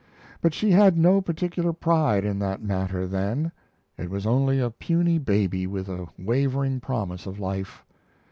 ] but she had no particular pride in that matter then. It was only a puny baby with a wavering promise of life.